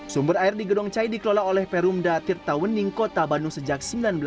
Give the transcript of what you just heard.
sumber air di gedong cai dikelola oleh perumda tirtawening kota bandung sejak seribu sembilan ratus tujuh puluh tujuh